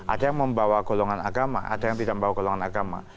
ada yang membawa golongan agama ada yang tidak membawa golongan agama